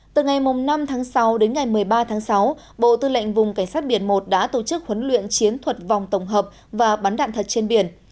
từ ngày năm tháng sáu đến ngày một mươi ba tháng sáu bộ tư lệnh vùng cảnh sát biển một đã tổ chức huấn luyện chiến thuật vòng tổng hợp và bắn đạn thật trên biển